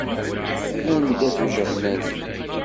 Anda-t ujernan-iw?